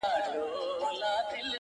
په ارمان د پسرلي یو له خزانه تر خزانه -